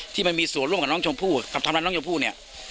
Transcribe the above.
ที่มีส่วนร่วมกับน้องชมพู่กับทำร้ายน้องชมพู่เนี่ย